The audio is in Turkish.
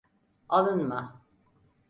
Alınma.